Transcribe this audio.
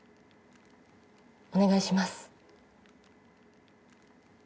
お願いします。